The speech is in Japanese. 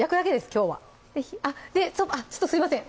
きょうはちょっとすいません